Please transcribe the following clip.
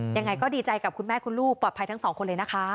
ยังไงก็ดีใจกับคุณแม่คุณลูกปลอดภัยทั้งสองคนเลยนะคะ